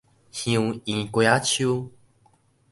香櫞瓜仔鬚